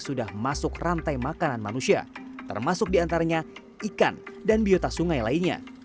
sudah masuk rantai makanan manusia termasuk diantaranya ikan dan biota sungai lainnya